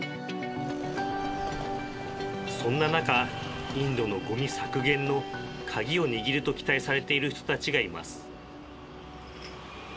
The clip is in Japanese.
そんな中インドのゴミ削減の鍵を握ると期待されている人たちがいます